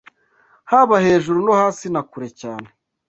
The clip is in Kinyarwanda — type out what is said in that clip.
Haba hejuru, no hasi na kure cyane